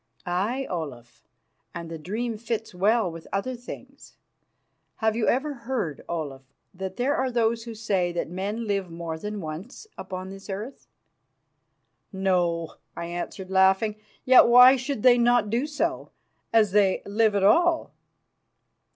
"Aye, Olaf, and the dream fits well with other things. Have you ever heard, Olaf, that there are those who say that men live more than once upon this earth?" "No," I answered, laughing. "Yet why should they not do so, as they live at all?